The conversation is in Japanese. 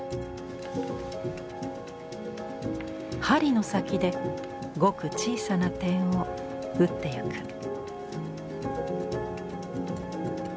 針の先でごく小さな点をうっていく。